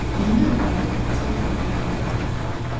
Wiener Gemeindebezirk Margareten.